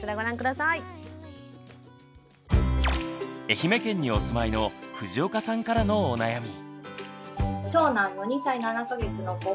愛媛県にお住まいの藤岡さんからのお悩み。